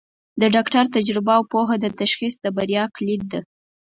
د ډاکټر تجربه او پوهه د تشخیص د بریا کلید ده.